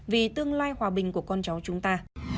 vì tương lai hòa bình của con cháu chúng ta